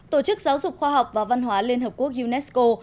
tổ chức giáo dục khoa học và văn hóa liên hợp quốc unesco